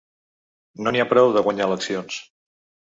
No n’hi ha prou de guanyar eleccions.